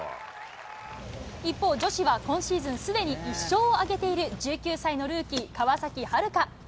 一方、女子は今シーズンすでに１勝を挙げている１９歳のルーキー、川崎春花。